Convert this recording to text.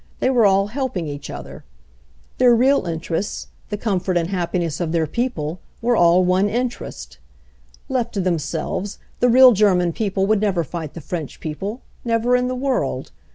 They were all helping each other. Their real interests — the comfort and happiness of their people — were all one interest. "Left to themselves, the real German people would never fight the French people, never in the world.